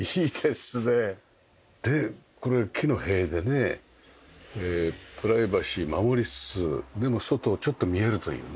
でこれ木の塀でねプライバシー守りつつでも外ちょっと見えるというね。